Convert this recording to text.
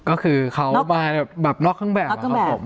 ก็คือเขามาแบบนอกเครื่องแบบครับผม